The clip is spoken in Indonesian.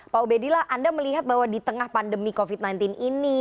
pak ubedillah anda melihat bahwa di tengah pandemi covid sembilan belas ini